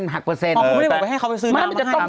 หักเปอร์เซ็นต์เลยหนูหักเปอร์เซ็นต์อย่างนี้ครับ